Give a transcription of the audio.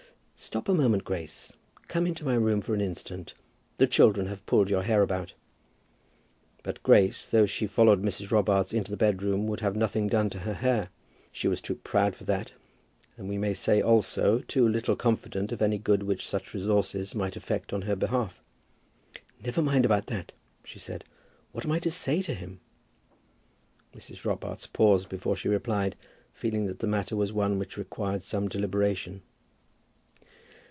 "Stop a moment, Grace. Come into my room for an instant. The children have pulled your hair about." But Grace, though she followed Mrs. Robarts into the bedroom, would have nothing done to her hair. She was too proud for that, and we may say, also, too little confident in any good which such resources might effect on her behalf. "Never mind about that," she said. "What am I to say to him?" Mrs. Robarts paused before she replied, feeling that the matter was one which required some deliberation.